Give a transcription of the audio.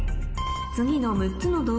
次の６つのまぁ。